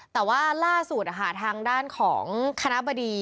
แต่ว่าล่าสุดทางด้านของคณะบดี